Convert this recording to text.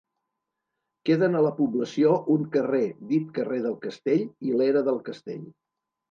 Queden a la població un carrer dit carrer del Castell i l’era del Castell.